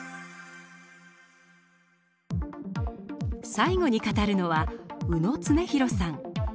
最後に語るのは宇野常寛さん。